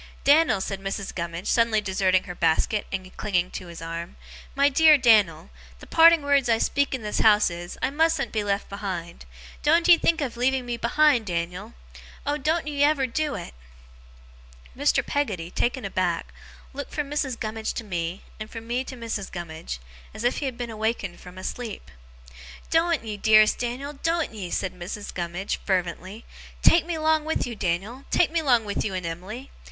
'Dan'l,' said Mrs. Gummidge, suddenly deserting her basket, and clinging to his arm 'my dear Dan'l, the parting words I speak in this house is, I mustn't be left behind. Doen't ye think of leaving me behind, Dan'l! Oh, doen't ye ever do it!' Mr. Peggotty, taken aback, looked from Mrs. Gummidge to me, and from me to Mrs. Gummidge, as if he had been awakened from a sleep. 'Doen't ye, dearest Dan'l, doen't ye!' cried Mrs. Gummidge, fervently. 'Take me 'long with you, Dan'l, take me 'long with you and Em'ly!